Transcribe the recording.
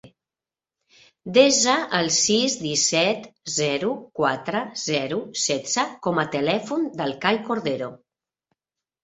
Desa el sis, disset, zero, quatre, zero, setze com a telèfon del Cai Cordero.